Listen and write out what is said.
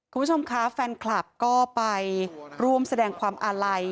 คุณผู้ชมคะแฟนคลับก็ไปร่วมแสดงความอาลัย